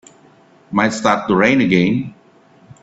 Might start to rain again.